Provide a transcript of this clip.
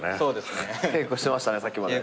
稽古してましたねさっきまで。